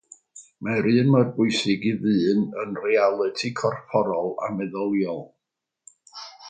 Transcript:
Mae'r un mor bwysig i ddyn yn realiti gorfforol a meddyliol.